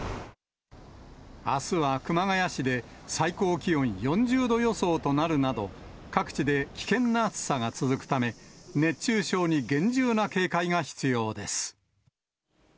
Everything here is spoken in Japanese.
あすは熊谷市で最高気温４０度予想となるなど、各地で危険な暑さが続くため、熱中症に厳重な警戒が必要です。